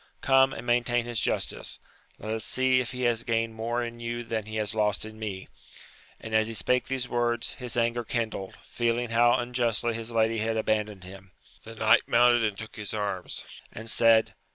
Come, and maintain his justice : let us see if he has gained more in you than he has lost in me ! and, as he spak^ these words, his anger kindled, feeling how unjustly his lady had abandoned him. The knight mounted and took his arms, and said.